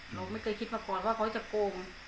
หนูไม่เคยคิดมาก่อนว่าเขาจะโกง